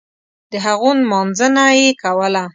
دهغو لمانځنه یې کوله.